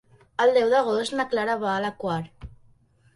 El deu d'agost na Clara va a la Quar.